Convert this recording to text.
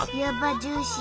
ジューシー！